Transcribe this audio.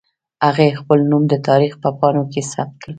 هغې خپل نوم د تاریخ په پاڼو کې ثبت کړ